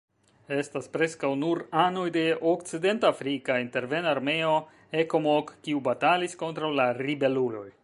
Estas preskaŭ nur anoj de okcidentafrika interven-armeo Ecomog, kiu batalis kontraŭ la ribeluloj.